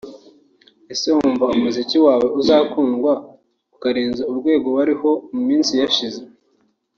Ese wumva umuziki wawe uzakundwa ukarenza urwego wariho mu minsi yashize